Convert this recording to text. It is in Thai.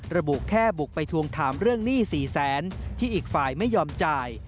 ระบุแค่บุกไปทวงถามเรื่องหนี้๔แสนที่อีกฝ่ายไม่ยอมจ่าย